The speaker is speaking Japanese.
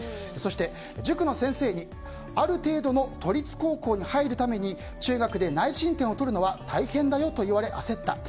そして、塾の先生にある程度の都立高校に入るために中学で内申点を取るのは大変だよと言われ焦った。